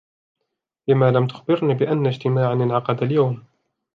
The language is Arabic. لمَ لمْ تخبرني بأنّ اجتماعًا انعقد اليوم؟